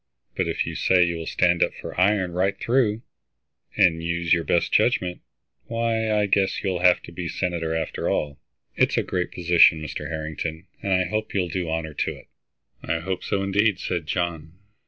But if you say you will stand up for iron right through, and use your best judgment, why, I guess you'll have to be senator after all. It's a great position, Mr. Harrington, and I hope you'll do honor to it." "I hope so, indeed," said John.